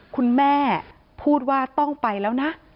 คุณแม่พูดว่าต้องไปแล้วนะ